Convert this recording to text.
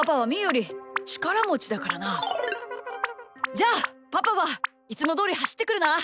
じゃあパパはいつもどおりはしってくるな。